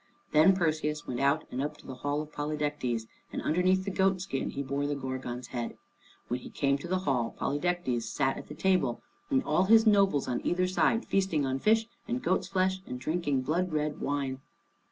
Then Perseus went out and up to the hall of Polydectes, and underneath the goat skin he bore the Gorgon's head. When he came to the hall, Polydectes sat at the table, and all his nobles on either side, feasting on fish and goats' flesh, and drinking blood red wine.